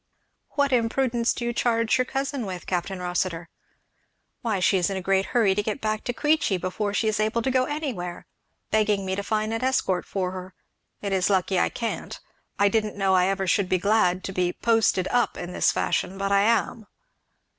"What imprudence do you charge your cousin with, Capt. Rossitur?" "Why she is in a great hurry to get back to Queechy, before she is able to go anywhere begging me to find an escort for her. It is lucky I can't. I didn't know I ever should be glad to be 'posted up' in this fashion, but I am."